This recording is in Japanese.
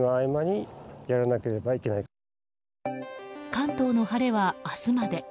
関東の晴れは明日まで。